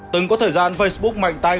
từng có thời gian facebook mạnh tay